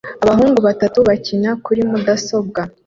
Abahungu batatu bakina kuri mudasobwa